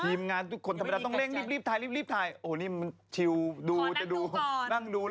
ทีมงานทุกคนว่าต้องเร่งรีบรีบไทยรีบรีบไทยซงหน้ากี่ดูแล้วงร่านะ